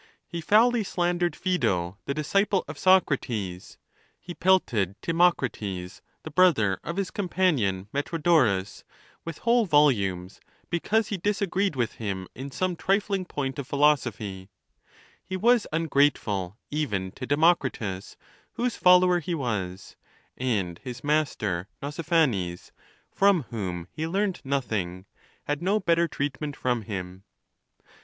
He foully slandered Phsedo, the disciple of Socrates. He pelted Timocrates, the brother of his com panion Metrodorus, with whole volumes, because he disa^ greed with him in some trifling point of philosophy. He ' Epicurus taught liis disciples in a garden. THE NATURE OE THE GODS. 243 was ungrateful even to Democritus, whose follower he was ; and his master Nausiphanes, from whom he learned noth ing, had no better treatment from him.